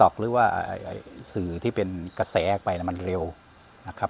กระแสไปมันเร็วนะครับ